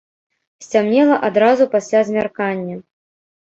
Сцямнела адразу пасля змяркання.